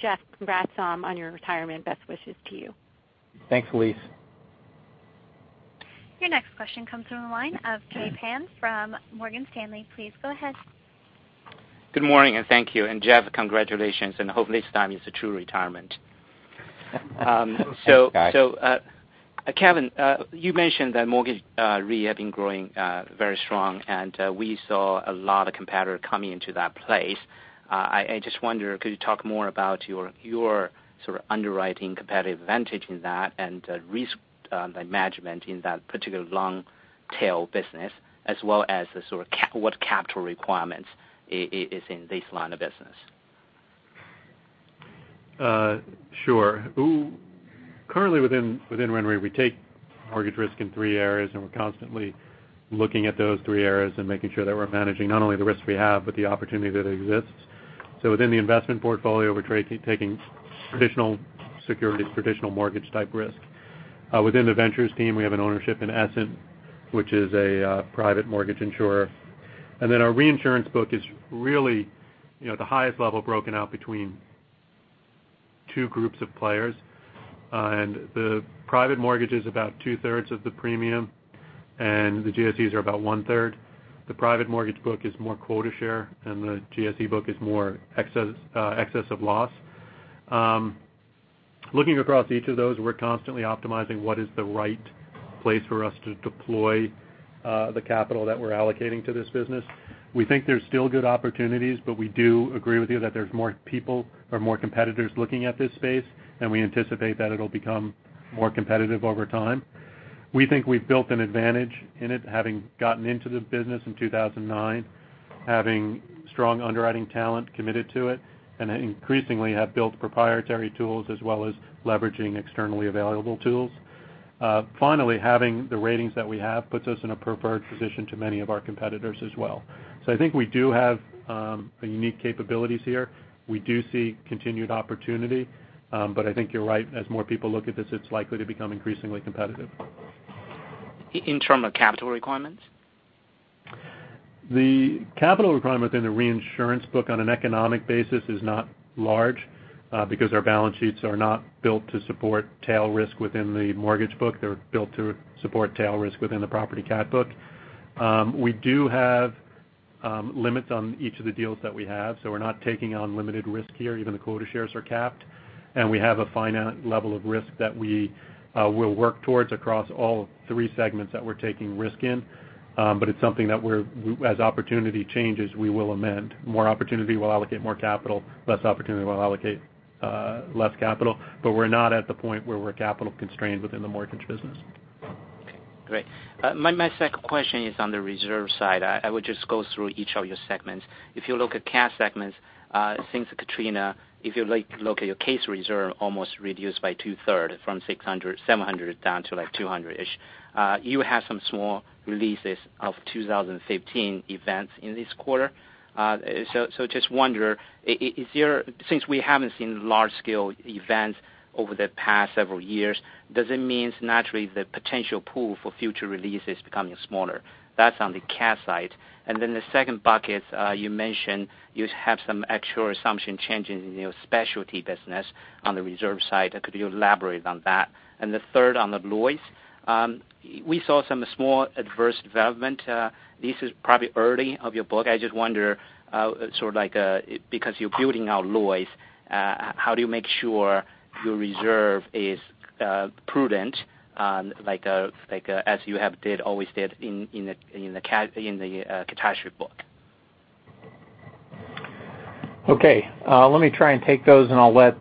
Jeff, congrats on your retirement. Best wishes to you. Thanks, Elyse. Your next question comes from the line of Kai Pan from Morgan Stanley. Please go ahead. Good morning, and thank you. Jeff, congratulations. Hopefully, this time is a true retirement. Kevin, you mentioned that mortgage reinsurance being growing very strong, and we saw a lot of competitors coming into that place. I just wonder, could you talk more about your sort of underwriting competitive advantage in that and the management in that particular long-tail business, as well as sort of what capital requirements is in this line of business? Sure. Currently, within RenRe, we take mortgage risk in three areas, and we're constantly looking at those three areas and making sure that we're managing not only the risks we have, but the opportunity that exists. Within the investment portfolio, we're taking traditional mortgage-type risk. Within the ventures team, we have an ownership in Essent, which is a private mortgage insurer. Then our reinsurance book is really at the highest level broken out between two groups of players. The private mortgage is about two-thirds of the premium, and the GSEs are about one-third. The private mortgage book is more quota share, and the GSE book is more excess of loss. Looking across each of those, we're constantly optimizing what is the right place for us to deploy the capital that we're allocating to this business. We think there's still good opportunities, but we do agree with you that there's more people or more competitors looking at this space, and we anticipate that it'll become more competitive over time. We think we've built an advantage in it, having gotten into the business in 2009, having strong underwriting talent committed to it, and increasingly have built proprietary tools as well as leveraging externally available tools. Finally, having the ratings that we have puts us in a preferred position to many of our competitors as well. I think we do have unique capabilities here. We do see continued opportunity. I think you're right. As more people look at this, it's likely to become increasingly competitive. In terms of capital requirements? The capital requirement within the reinsurance book on an economic basis is not large because our balance sheets are not built to support tail risk within the mortgage book. They're built to support tail risk within the property CAT book. We do have limits on each of the deals that we have. We're not taking on limited risk here. Even the quota shares are capped. We have a finance level of risk that we will work towards across all three segments that we're taking risk in. It's something that, as opportunity changes, we will amend. More opportunity will allocate more capital, less opportunity will allocate less capital. We're not at the point where we're capital-constrained within the mortgage business. Okay, great. My second question is on the reserve side. I will just go through each of your segments. If you look at CAT segments, things like Katrina, if you look at your case reserve almost reduced by two-thirds from $700 down to like $200-ish. You have some small releases of 2015 events in this quarter. Just wonder, since we haven't seen large-scale events over the past several years, does it mean naturally the potential pool for future releases becoming smaller? That's on the CAT side. Then the second bucket, you mentioned you have some actual assumption changing in your specialty business on the reserve side. Could you elaborate on that? The third on the Lloyd's, we saw some small adverse development. This is probably early of your book. I just wonder, sort of because you're building out Lloyd's, how do you make sure your reserve is prudent, as you always did in the CAT book? Okay. Let me try and take those, and I'll let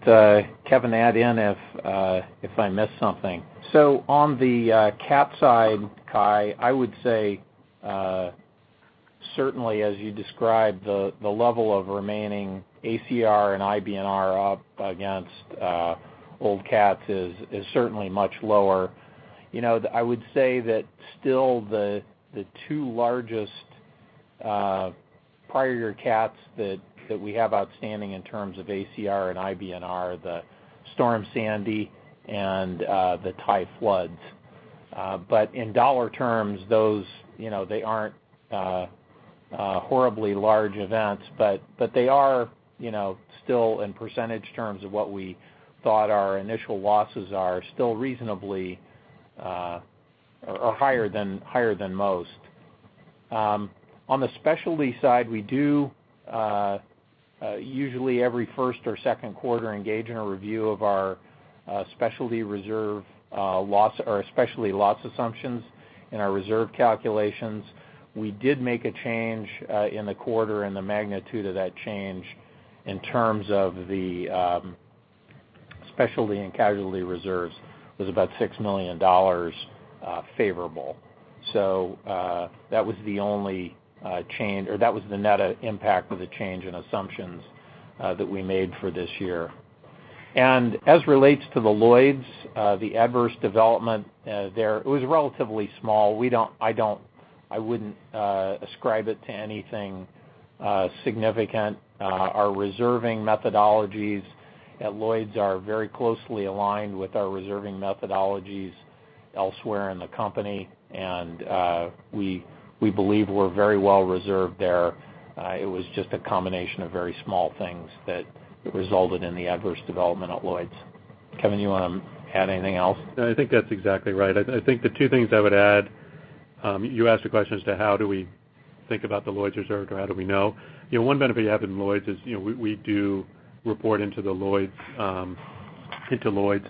Kevin add in if I miss something. On the CAT side, Kai, I would say certainly, as you described, the level of remaining ACR and IBNR up against old CATs is certainly much lower. I would say that still, the two largest prior year CATs that we have outstanding in terms of ACR and IBNR, the Superstorm Sandy and the Thai Floods. In dollar terms, they aren't horribly large events, but they are still, in percentage terms of what we thought our initial losses are, still reasonably higher than most. On the specialty side, we do usually every first or second quarter engage in a review of our specialty reserve loss or specialty loss assumptions in our reserve calculations. We did make a change in the quarter and the magnitude of that change in terms of the specialty and casualty reserves was about $6 million favorable. That was the only change or that was the net impact of the change in assumptions that we made for this year. As relates to the Lloyd's, the adverse development there, it was relatively small. I wouldn't ascribe it to anything significant. Our reserving methodologies at Lloyd's are very closely aligned with our reserving methodologies elsewhere in the company, and we believe we're very well reserved there. It was just a combination of very small things that resulted in the adverse development at Lloyd's. Kevin, you want to add anything else? No, I think that's exactly right. I think the two things I would add, you asked a question as to how do we think about the Lloyd's reserved or how do we know. One benefit you have in Lloyd's is we do report into the Lloyd's,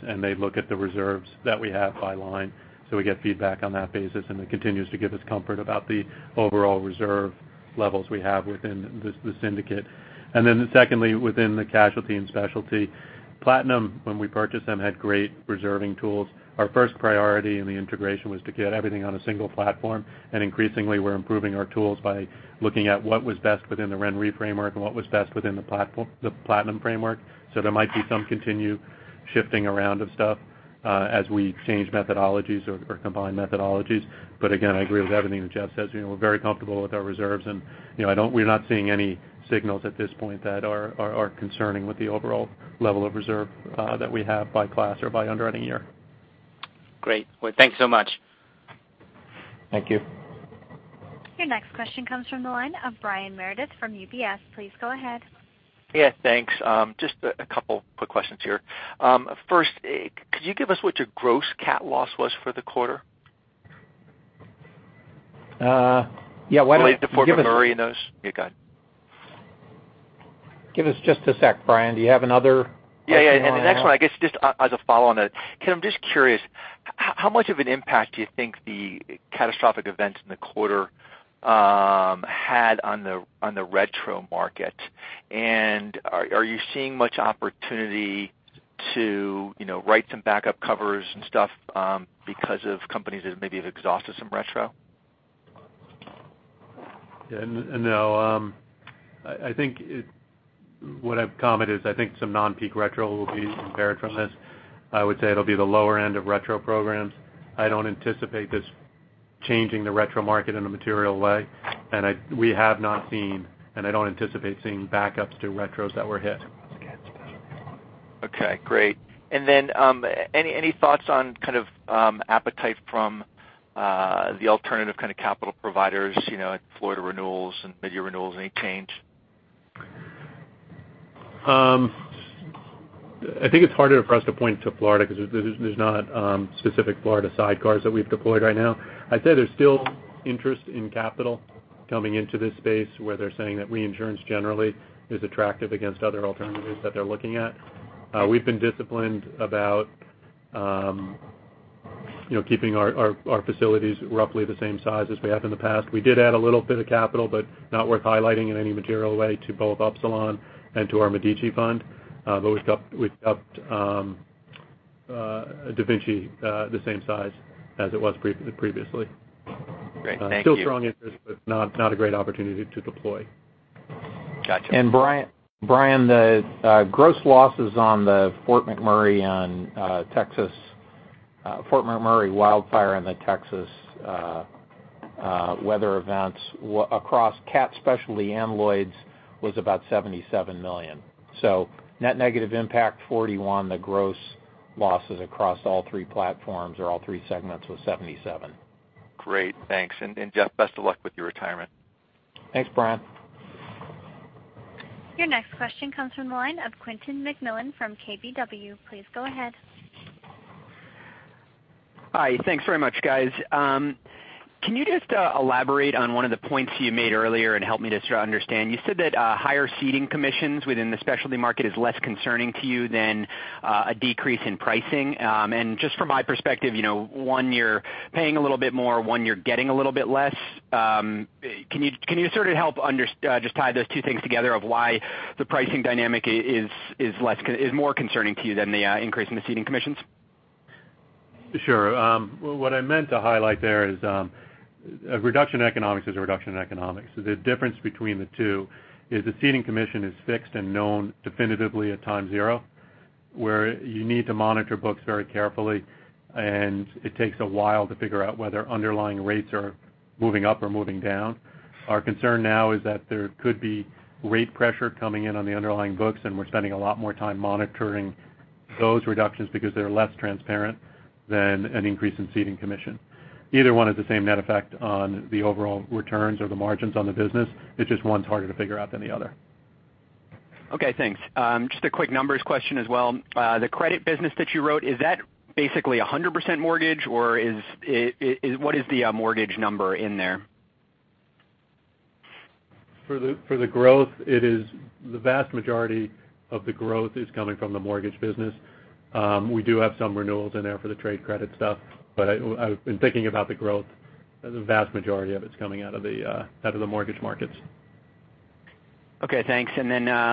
and they look at the reserves that we have by line. We get feedback on that basis, and it continues to give us comfort about the overall reserve levels we have within the syndicate. Then secondly, within the casualty and specialty, Platinum, when we purchased them, had great reserving tools. Our first priority in the integration was to get everything on a single platform. Increasingly, we're improving our tools by looking at what was best within the RenRe framework and what was best within the Platinum framework. There might be some continued shifting around of stuff as we change methodologies or combine methodologies. Again, I agree with everything that Jeff says. We're very comfortable with our reserves, and we're not seeing any signals at this point that are concerning with the overall level of reserve that we have by class or by underwriting year. Great. Well, thanks so much. Thank you. Your next question comes from the line of Brian Meredith from UBS. Please go ahead. Yeah, thanks. Just a couple of quick questions here. First, could you give us what your gross CAT loss was for the quarter? Yeah, why don't you give us. Before we bury in those, you're good. Give us just a sec, Brian. Do you have another question? Yeah, yeah. The next one, I guess, just as a follow-on to that, Kevin, I'm just curious, how much of an impact do you think the catastrophic events in the quarter had on the retro market? Are you seeing much opportunity to write some backup covers and stuff because of companies that maybe have exhausted some retro? Yeah. No, I think what I've commented is I think some non-peak retro will be impaired from this. I would say it'll be the lower end of retro programs. I don't anticipate this changing the retro market in a material way. We have not seen, and I don't anticipate seeing backups to retros that were hit. Okay, great. Any thoughts on kind of appetite from the alternative kind of capital providers at Florida renewals and midyear renewals? Any change? I think it's harder for us to point to Florida because there's not specific Florida sidecars that we've deployed right now. I'd say there's still interest in capital coming into this space where they're saying that reinsurance generally is attractive against other alternatives that they're looking at. We've been disciplined about keeping our facilities roughly the same size as we have in the past. We did add a little bit of capital, not worth highlighting in any material way, to both Upsilon and to our Medici Fund. We've kept DaVinci the same size as it was previously. Great, thank you. Still strong interest, not a great opportunity to deploy. Gotcha. Brian, the gross losses on the Fort McMurray wildfire and the Texas weather events across CAT specialty and Lloyd's was about $77 million. Net negative impact $41 million, the gross losses across all three platforms or all three segments was $77 million. Great, thanks. Jeff, best of luck with your retirement. Thanks, Brian. Your next question comes from the line of Quentin McMillan from KBW. Please go ahead. Hi, thanks very much, guys. Can you just elaborate on one of the points you made earlier and help me just understand? You said that higher ceding commissions within the specialty reinsurance market is less concerning to you than a decrease in pricing. Just from my perspective, one year paying a little bit more, one year getting a little bit less. Can you sort of help just tie those two things together of why the pricing dynamic is more concerning to you than the increase in the ceding commissions? Sure. What I meant to highlight there is a reduction in economics is a reduction in economics. The difference between the two is the ceding commission is fixed and known definitively at time zero, where you need to monitor books very carefully, and it takes a while to figure out whether underlying rates are moving up or moving down. Our concern now is that there could be rate pressure coming in on the underlying books, and we're spending a lot more time monitoring those reductions because they're less transparent than an increase in ceding commission. Either one has the same net effect on the overall returns or the margins on the business. It's just one's harder to figure out than the other. Okay, thanks. Just a quick numbers question as well. The credit business that you wrote, is that basically 100% mortgage, or what is the mortgage number in there? For the growth, the vast majority of the growth is coming from the mortgage business. We do have some renewals in there for the trade credit stuff, but in thinking about the growth, the vast majority of it's coming out of the mortgage markets. Okay, thanks.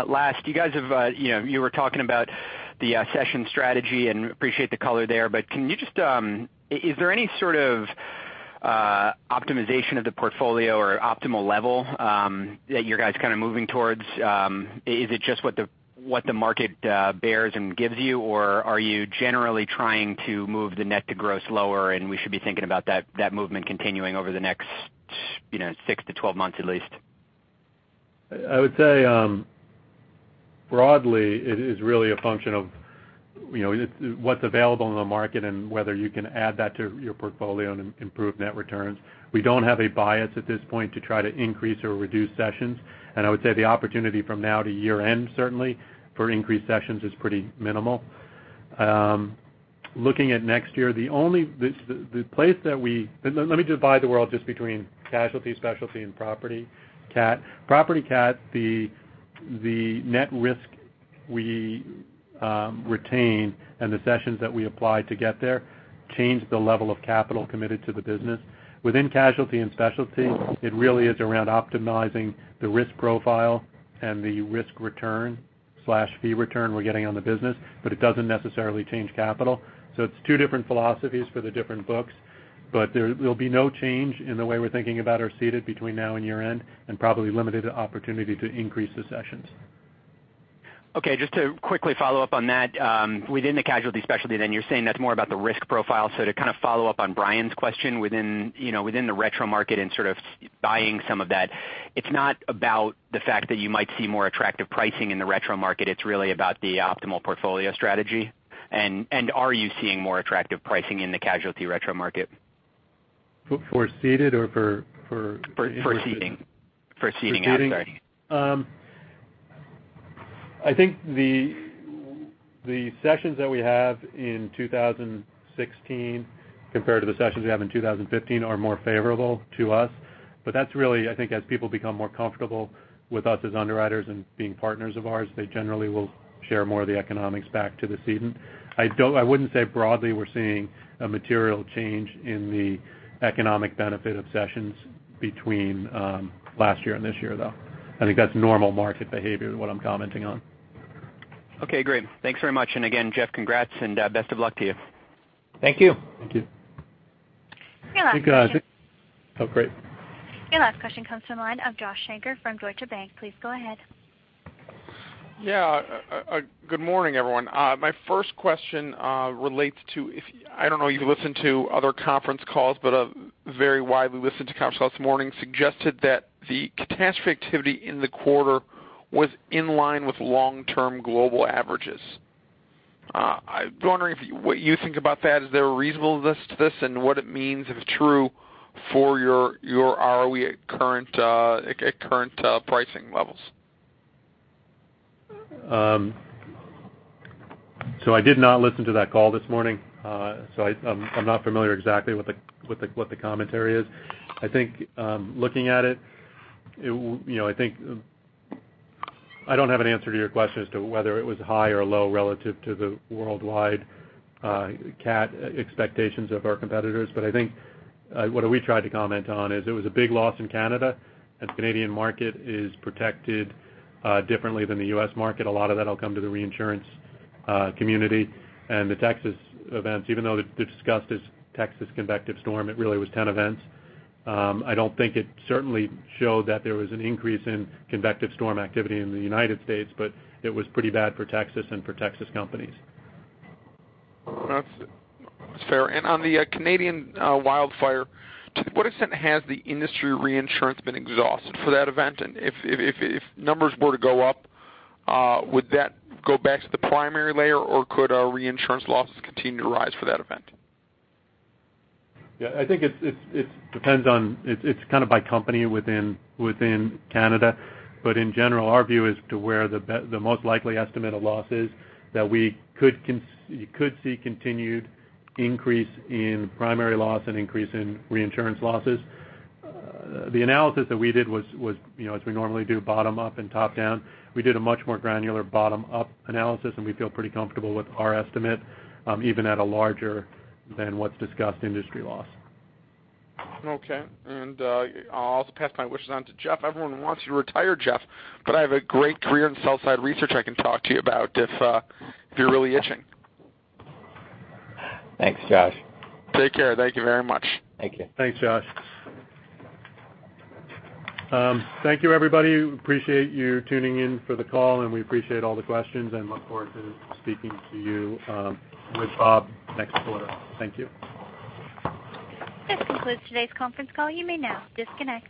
Last, you guys were talking about the cession strategy and appreciate the color there, can you just is there any sort of optimization of the portfolio or optimal level that you guys kind of moving towards? Is it just what the market bears and gives you, or are you generally trying to move the net to gross lower, and we should be thinking about that movement continuing over the next 6 to 12 months at least? I would say broadly, it is really a function of what's available in the market and whether you can add that to your portfolio and improve net returns. We don't have a bias at this point to try to increase or reduce cessions. I would say the opportunity from now to year-end, certainly, for increased cessions is pretty minimal. Looking at next year, the place that let me divide the world just between casualty, specialty, and property CAT. Property CAT, the net risk we retain and the cessions that we apply to get there change the level of capital committed to the business. Within casualty and specialty, it really is around optimizing the risk profile and the risk return/fee return we're getting on the business, but it doesn't necessarily change capital. It's two different philosophies for the different books, there'll be no change in the way we're thinking about our ceded between now and year-end and probably limited opportunity to increase the cessions. Okay, just to quickly follow up on that, within the casualty specialty then, you're saying that's more about the risk profile. To kind of follow up on Brian's question, within the retro market and sort of buying some of that, it's not about the fact that you might see more attractive pricing in the retro market. It's really about the optimal portfolio strategy. Are you seeing more attractive pricing in the casualty retro market? For ceded or for? For ceding. For ceding, I'm sorry. For ceding? I think the cessions that we have in 2016 compared to the cessions we have in 2015 are more favorable to us. That's really, I think, as people become more comfortable with us as underwriters and being partners of ours, they generally will share more of the economics back to the ceding. I wouldn't say broadly we're seeing a material change in the economic benefit of cessions between last year and this year, though. I think that's normal market behavior, what I'm commenting on. Okay, great. Thanks very much. Again, Jeff, congrats, and best of luck to you. Thank you. Thank you. Your last question? Thank you, guys. Oh, great. Your last question comes from the line of Joshua Shanker from Deutsche Bank. Please go ahead. Yeah. Good morning, everyone. My first question relates to I don't know if you listen to other conference calls, but a very widely listened to conference call this morning suggested that the catastrophe activity in the quarter was in line with long-term global averages. I'm wondering what you think about that. Is there a reasonable list to this and what it means, if true, for your ROE at current pricing levels? I did not listen to that call this morning, so I'm not familiar exactly with what the commentary is. I think looking at it, I think I don't have an answer to your question as to whether it was high or low relative to the worldwide CAT expectations of our competitors. I think what we tried to comment on is it was a big loss in Canada. The Canadian market is protected differently than the U.S. market. A lot of that will come to the reinsurance community. The Texas events, even though they're discussed as Texas convective storm, it really was 10 events. I don't think it certainly showed that there was an increase in convective storm activity in the United States, but it was pretty bad for Texas and for Texas companies. That's fair. On the Canadian wildfire, to what extent has the industry reinsurance been exhausted for that event? If numbers were to go up, would that go back to the primary layer, or could our reinsurance losses continue to rise for that event? Yeah, I think it depends on it's kind of by company within Canada. In general, our view is to where the most likely estimate of loss is that we could see continued increase in primary loss and increase in reinsurance losses. The analysis that we did was, as we normally do, bottom-up and top-down. We did a much more granular bottom-up analysis, and we feel pretty comfortable with our estimate, even at a larger than what's discussed industry loss. Okay. I'll also pass my wishes on to Jeff. Everyone wants you to retire, Jeff, but I have a great career in sell-side research I can talk to you about if you're really itching. Thanks, Josh. Take care. Thank you very much. Thank you. Thanks, Josh. Thank you, everybody. We appreciate you tuning in for the call, and we appreciate all the questions and look forward to speaking to you with Bob next quarter. Thank you. This concludes today's conference call. You may now disconnect.